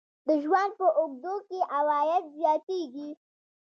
د ژوند په اوږدو کې عواید زیاتیږي.